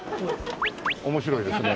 面白いですね。